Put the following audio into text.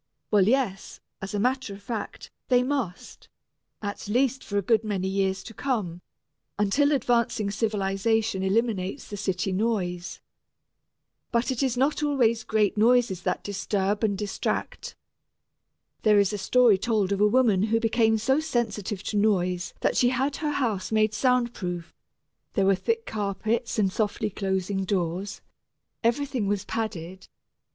Well, yes, as a matter of fact they must, at least for a good many years to come, until advancing civilization eliminates the city noise. But it is not always great noises that disturb and distract. There is a story told of a woman who became so sensitive to noise that she had her house made sound proof: there were thick carpets and softly closing doors; everything was padded.